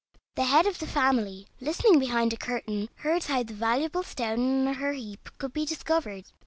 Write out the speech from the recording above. The head of the family, listening behind a curtain, heard how the valuable stone in her heap could be discovered.